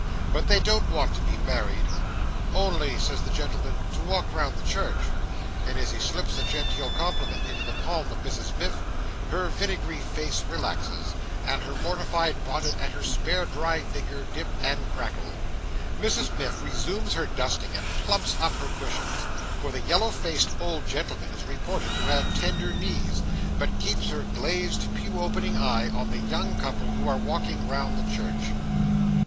But they don't want to be married—"Only," says the gentleman, "to walk round the church." And as he slips a genteel compliment into the palm of Mrs Miff, her vinegary face relaxes, and her mortified bonnet and her spare dry figure dip and crackle. Mrs Miff resumes her dusting and plumps up her cushions—for the yellow faced old gentleman is reported to have tender knees—but keeps her glazed, pew opening eye on the young couple who are walking round the church.